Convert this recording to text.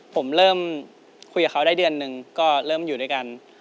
ผมเริ่มคุยกับเขาได้เดือนหนึ่งก็เริ่มอยู่ด้วยกัน